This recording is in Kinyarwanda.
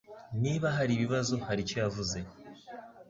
Niba haribibazo, hari icyo yavuze.